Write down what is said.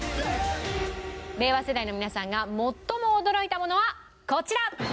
令和世代の皆さんが最も驚いたものはこちら！